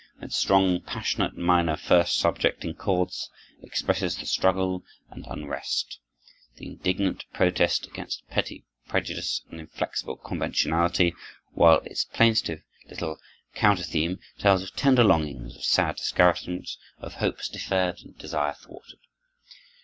Its strong, passionate minor first subject in chords expresses the struggle and unrest, the indignant protest against petty prejudice and inflexible conventionality; while its plaintive little counter theme tells of tender longings, of sad discouragements, of hopes deferred and desire thwarted.